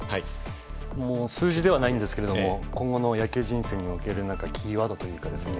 もう数字ではないんですけれども今後の野球人生における何かキーワードというかですね